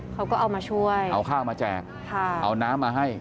เขาก็เอามาช่วยเอาข้าวมาแจกเอาน้ำมาให้